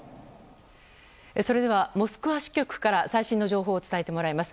それではモスクワ支局から最新の情報を伝えてもらいます。